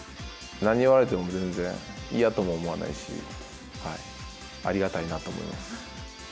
何言われても全然、嫌とも思わないし、ありがたいなと思います。